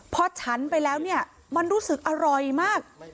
พอชั้นไปแล้วมันรู้สึกอร่อยมาก